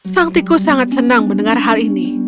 sang tikus sangat senang mendengar hal ini